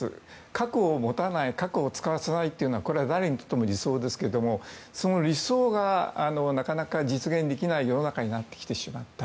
核を持たない核を使わせないというのは誰にとっても理想ですがその理想がなかなか実現できない世の中になってきてしまった。